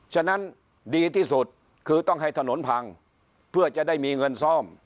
ฉะนั้นดีที่สุดคือต้องให้ถนนพังเพื่อจะได้มีเงินซ่อม